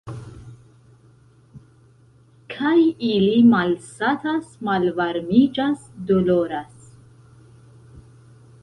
Kaj ili malsatas, malvarmiĝas, doloras.